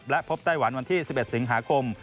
และพบไต้หวันวันที่๑๑สิงหาคม